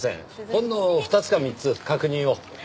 ほんの２つか３つ確認を。